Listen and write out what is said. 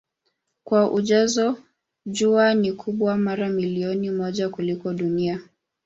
Kwa ujazo Jua ni kubwa mara milioni moja kuliko Dunia.